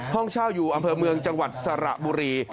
ห้องเช่าอยู่อำเภอเมืองจังหวัดสระบุรี